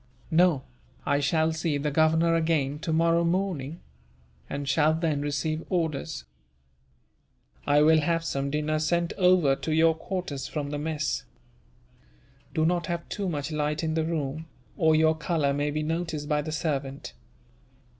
"No; I shall see the Governor again, tomorrow morning; and shall then receive orders." "I will have some dinner sent over to your quarters, from the mess. Do not have too much light in the room, or your colour may be noticed by the servant.